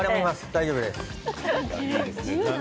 大丈夫です。